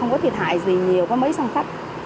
có thiệt hại gì nhiều có mấy sang khách